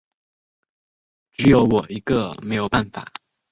只有我一个没有办法